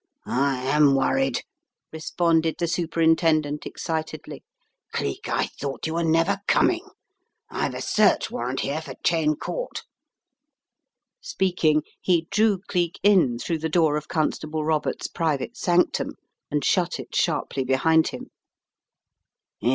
"I am worried," responded the Superintendent, excitedly. "Cleek, I thought you were never coming ! I've a search warrant here for Cheyne Court." Speaking, he drew Cleek in through the door of Constable Roberts' private sanctum and shut it sharply behind him.